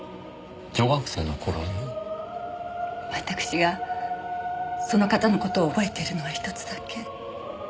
わたくしがその方の事を覚えているのはひとつだけ。